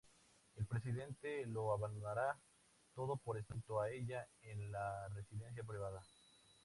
El Presidente lo abandonará todo por estar junto a ella en la residencia privada.